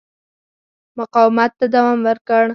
مقاومت ته دوام ورکړ.